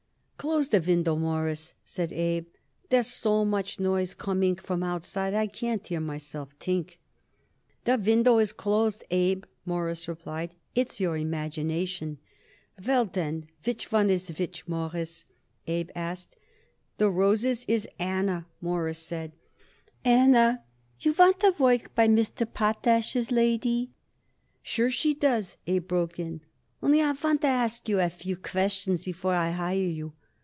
"Close the window, Mawruss," said Abe. "There's so much noise coming from outside I can't hear myself think." "The window is closed, Abe," Morris replied. "It's your imagination." "Well, then, which one is which, Mawruss?" Abe asked. "The roses is Anna," Morris said. "Anna, you want to work by Mr. Potash's lady?" "Sure she does," Abe broke in. "Only I want to ask you a few questions before I hire you.